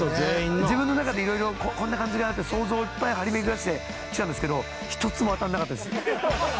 自分の中でいろいろこんな感じかなとか想像をいっぱい張りめぐらして来たんですけど、１つも当たらなかったです。